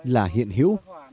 là hiện hữu